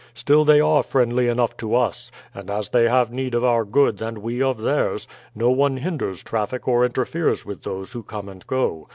Still they are friendly enough to us; and as they have need of our goods and we of theirs, no one hinders traffic or interferes with those who come and go.